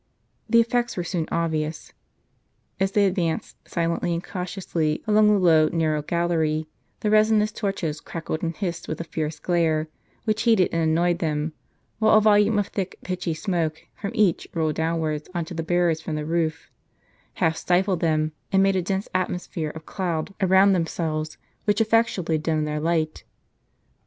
The effects were soon obvious. As they advanced, silently and cautiously, along the low narrow gallery, the resinous torches crackled and hissed with a fierce glare, which heated and annoyed them ; while a volume of thick pitchy smoke from each rolled downwards on to the bearers from the roof, half stifled them, and made a dense atmosphere of cloud around themselves, which effectually dimmed their light.